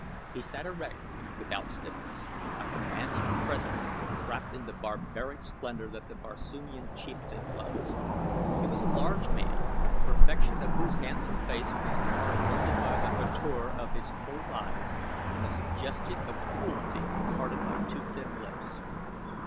He sat erect without stiffness a commanding presence trapped in the barbaric splendor that the Barsoomian chieftain loves. He was a large man, the perfection of whose handsome face was marred only by the hauteur of his cold eyes and the suggestion of cruelty imparted by too thin lips.